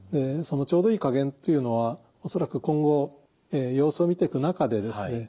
そのちょうどいい加減というのは恐らく今後様子を見ていく中でですね